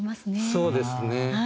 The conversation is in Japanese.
そうですね。